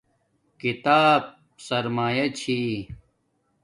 کتاب سرمایا چھی